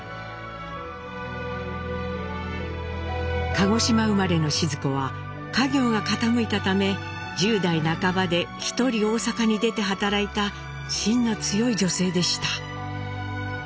鹿児島生まれのシヅ子は家業が傾いたため１０代半ばで一人大阪に出て働いたしんの強い女性でした。